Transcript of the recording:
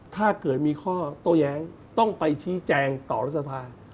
ถ้าเกิดมีข้อโต้แย้งต้องไปชี้แจงต่อรัฐสภา